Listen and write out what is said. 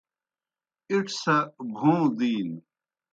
اِڇھ سہ بھوں دِینوْ۔